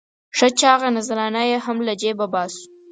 ښه چاغه نذرانه یې هم له جېبه باسو.